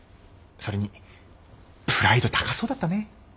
それにプライド高そうだったね。